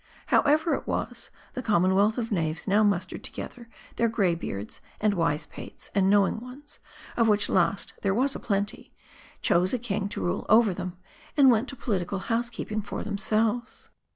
However it was, the commonwealth of knaves now mus tered together th.eir gray beards, and wise pates, and know ing ones, of which last there was a plenty, chose a king to rule ' over them, and went to political housekeeping for themselves.